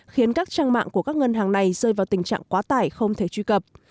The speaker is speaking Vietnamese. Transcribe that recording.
khiến các trang mạng của các ngân hàng này rơi vào tình trạng quá tải không thể truy cập